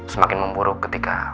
semakin memburuk ketika